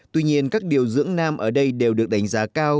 tuy nhiên các điều dưỡng nam ở đây đều được đánh giá cao